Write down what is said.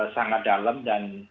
sangat dalam dan